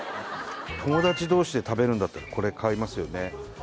友達同士で食べるんだったらこれ買いますよね